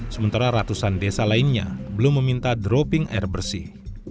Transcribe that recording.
sementara ratusan desa lainnya belum meminta dropping air bersih